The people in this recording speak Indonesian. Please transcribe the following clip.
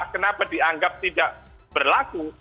kenapa dianggap tidak berlaku